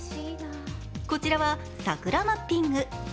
こちらは桜マッピング。